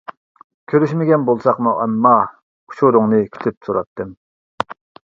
كۆرۈشمىگەن بولساقمۇ ئەمما، ئۇچۇرۇڭنى كۈتۈپ تۇراتتىم.